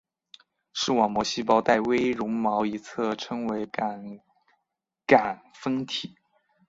视网膜细胞带微绒毛的一侧称为感杆分体。